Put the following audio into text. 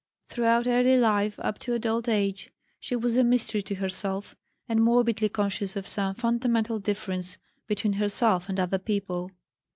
Throughout early life up to adult age she was a mystery to herself, and morbidly conscious of some fundamental difference between herself and other people.